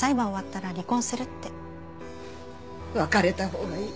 別れた方がいい。